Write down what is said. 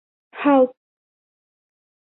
Һал!